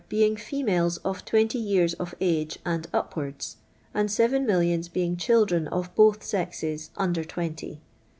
I being females of twenty yean of age and upwardt, and seren millions being children of both sexes under twenty.